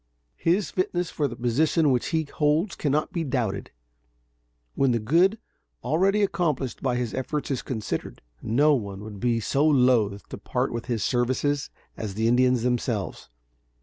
His fitness for the position which he holds cannot be doubted, when the good already accomplished by his efforts is considered. No one would be so loath to part with his services as the Indians themselves.